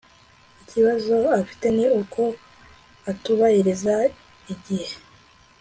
Ikibazo afite ni uko atubahiriza igihe